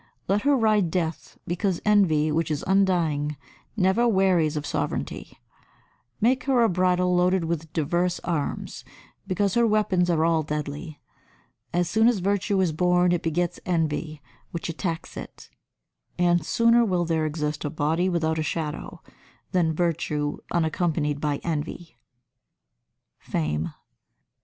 Let her ride Death, because Envy, which is undying, never wearies of sovereignty. Make her a bridle loaded with divers arms, because her weapons are all deadly. As soon as virtue is born it begets envy which attacks it; and sooner will there exist a body without a shadow than virtue unaccompanied by envy. [Sidenote: Fame] 87.